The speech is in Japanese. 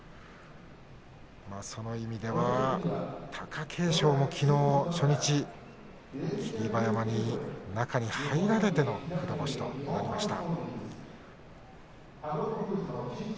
その意味では貴景勝もきのうの初日霧馬山に中に入られての黒星ということになりました。